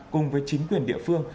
cùng với chính quyền địa phương